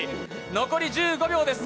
残り１５秒です。